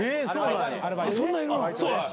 そんなんいるの？